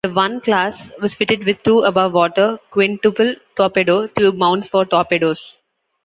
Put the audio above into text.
The I class was fitted with two above-water quintuple torpedo tube mounts for torpedoes.